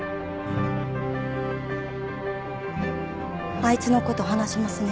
あいつのこと話しますね